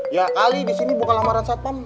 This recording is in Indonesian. ya kali disini buka lamaran satpam